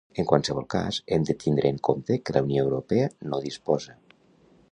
En qualsevol cas, hem de tindre en compte que la Unió Europea no disposa.